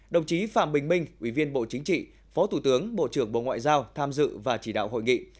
đồng chí phạm bình minh ủy viên bộ chính trị phó thủ tướng bộ trưởng bộ ngoại giao tham dự và chỉ đạo hội nghị